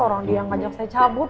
orang dia yang pajak saya cabut